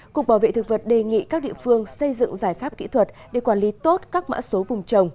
cục bảo vệ thực vật đề nghị các địa phương xây dựng giải pháp kỹ thuật để quản lý tốt các mã số vùng trồng